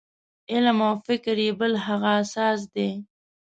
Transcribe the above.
علم او فکر یې بل هغه اساس دی.